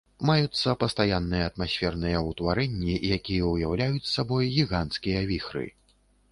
Маюцца пастаянныя атмасферныя ўтварэнні, якія ўяўляюць сабой гіганцкія віхры.